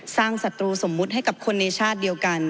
ศัตรูสมมุติให้กับคนในชาติเดียวกัน